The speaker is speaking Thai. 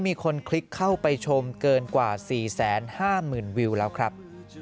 มีคนคลิกเข้าไปชมเกินกว่า๔๕๐๐๐วิวแล้วครับ